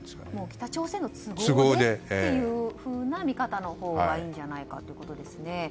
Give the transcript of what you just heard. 北朝鮮の都合でというふうな見方のほうがいいんじゃないかということですね。